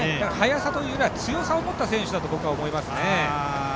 速さというよりは強さを持った選手だと思いますね。